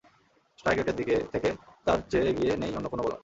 Strike রেটের দিক থেকে তাঁর চেয়ে এগিয়ে নেই অন্য কোনো বোলার।